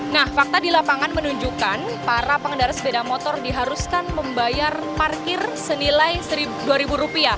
nah fakta di lapangan menunjukkan para pengendara sepeda motor diharuskan membayar parkir senilai rp dua